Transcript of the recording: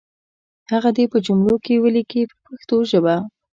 هغه دې په څو جملو کې ولیکي په پښتو ژبه.